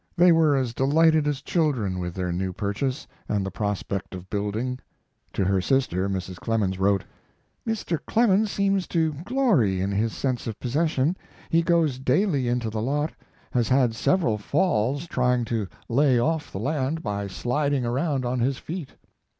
They were as delighted as children with their new purchase and the prospect of building. To her sister Mrs. Clemens wrote: Mr. Clemens seems to glory in his sense of possession; he goes daily into the lot, has had several falls trying to lay off the land by sliding around on his feet....